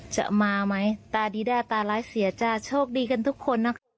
จะมาไหมตาดีได้ตาร้ายเสียจะโชคดีกันทุกคนนะคะ